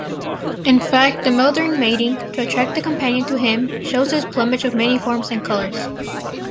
In fact the male during mating, to attract the companion to him, shows his plumage of many forms and colors.